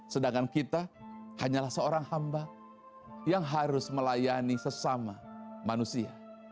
sedangkan kita hanyalah seorang hamba yang harus melayani sesama manusia